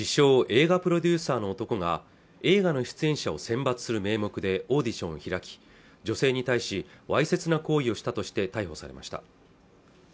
映画プロデューサーの男が映画の出演者を選抜する名目でオーディションを開き女性に対しわいせつな行為をしたとして逮捕されました